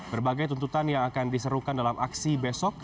berbagai tuntutan yang akan diserukan dalam aksi besok